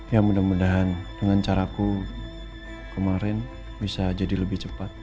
ya mudah mudahan dengan caraku kemarin bisa jadi lebih cepat